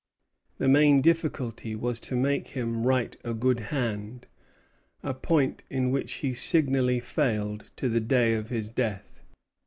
The main difficulty was to make him write a good hand, a point in which he signally failed to the day of his death.